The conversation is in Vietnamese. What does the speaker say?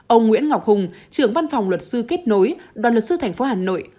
ông nguyễn ngọc hùng trưởng văn phòng luật sư kết nối đoàn luật sư thành phố hà nội